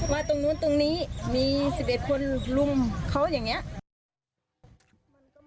ตรงนู้นตรงนี้มี๑๑คนลุมเขาอย่างนี้